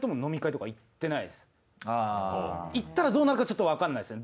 行ったらどうなるかちょっとわかんないですね。